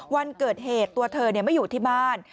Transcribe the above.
วันเกิดเหตุตัวเธอไม่อยู่ที่บ้าน